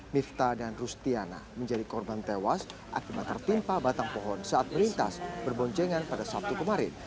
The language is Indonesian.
mifta dan rustiana menjadi korban tewas akibat tertimpa batang pohon saat melintas berboncengan pada sabtu kemarin